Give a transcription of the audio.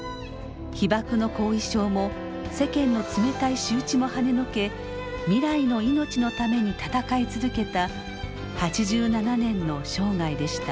被ばくの後遺症も世間の冷たい仕打ちもはねのけ未来の命のために闘い続けた８７年の生涯でした。